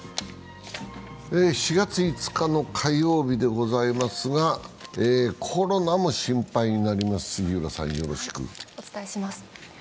４月５日の火曜日でございますが、コロナも心配になります。